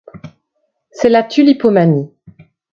C'est la tulipomanie.